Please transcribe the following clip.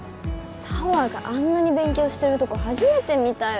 紗羽があんなに勉強してるとこ初めて見たよ